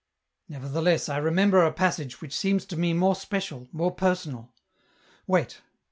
Nevertheless, I remember a passage which seems to me more special, more personal. Wait.